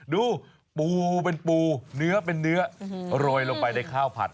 ดูปูเป็นปูเนื้อเป็นเนื้อโรยลงไปในข้าวผัด